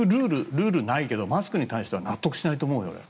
ルールはないけどマスクに対しては納得しないと思うよ。